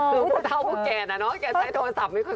คือผู้เท่าผู้แก่นะเนาะแกใช้โทรศัพท์ไม่ค่อย